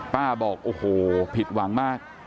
บอกโอ้โหผิดหวังมาก